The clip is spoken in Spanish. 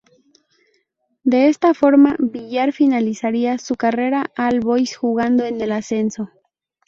De esta forma, Villar finalizaría su carrera en All Boys, jugando en el Ascenso.